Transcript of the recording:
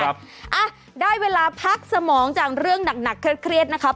อ่ะได้เวลาพักสมองจากเรื่องหนักเครียดนะครับ